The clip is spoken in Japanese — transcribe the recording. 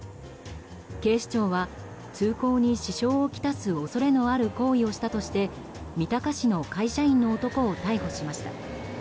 警視庁は通行に支障をきたす恐れのある行為をしたとして三鷹市の会社員の男を逮捕しました。